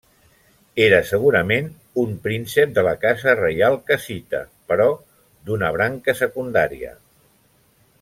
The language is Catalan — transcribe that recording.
Era segurament un príncep de la casa reial cassita però d'una branca secundària.